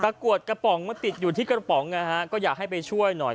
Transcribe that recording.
กรวดกระป๋องมาติดอยู่ที่กระป๋องนะฮะก็อยากให้ไปช่วยหน่อย